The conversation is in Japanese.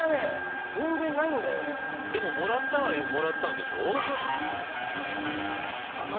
でももらったはもらったんでしょ？